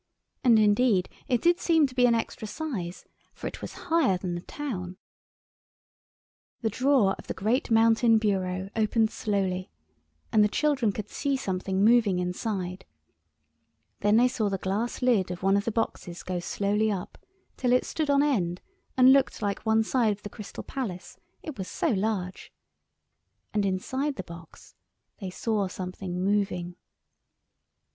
And indeed it did seem to be an extra size, for it was higher than the town. The drawer of the great mountain bureau opened slowly, and the children could see something moving inside; then they saw the glass lid of one of the boxes go slowly up till it stood on end and looked like one side of the Crystal Palace, it was so large—and inside the box they saw something moving.